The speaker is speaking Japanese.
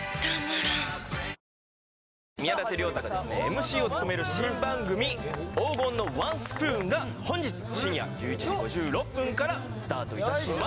ＭＣを務める新番組「黄金のワンスプーン！」が本日深夜１１時５６分からスタートいたします